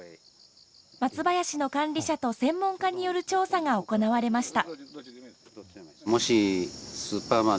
松林の管理者と専門家による調査が行われました。